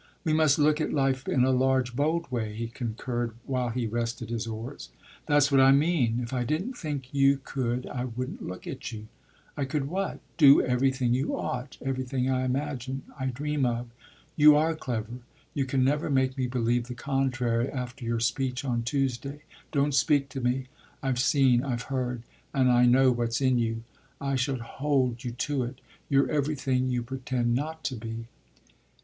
"We must look at life in a large, bold way," he concurred while he rested his oars. "That's what I mean. If I didn't think you could I wouldn't look at you." "I could what?" "Do everything you ought everything I imagine, I dream of. You are clever: you can never make me believe the contrary after your speech on Tuesday, Don't speak to me! I've seen, I've heard, and I know what's in you. I shall hold you to it. You're everything you pretend not to be."